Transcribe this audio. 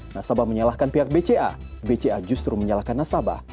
nasabah menyalahkan pihak bca bca justru menyalahkan nasabah